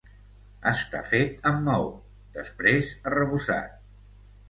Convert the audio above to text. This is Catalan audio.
Està fet amb maó després arrebossat.